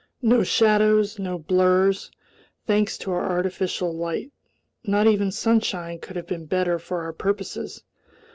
No shadows, no blurs, thanks to our artificial light. Not even sunshine could have been better for our purposes.